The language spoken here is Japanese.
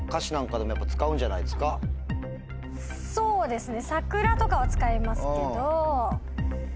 そうですね。